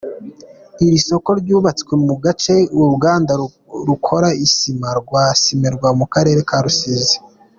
Iri soko ryubatswe mu gace uruganda rukora isima rwa Cimerwa mu Karere ka Rusizi.